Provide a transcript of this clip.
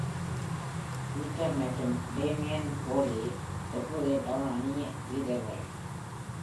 Peter மற்றும் Damien டர்லி தற்போதைய டவுன் அணி வீரர்கள்.